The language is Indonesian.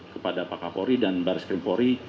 kepada pak kapolri dan baris krimpori